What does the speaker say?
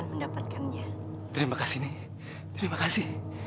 udah tidur lagi